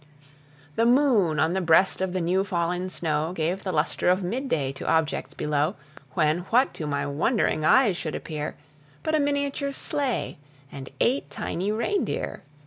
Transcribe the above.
The moon on the breast of the new fallen snow Gave the luster of mid day to objects below, When, what to my wondering eyes should appear, But a miniature sleigh, and eight tiny reindeer.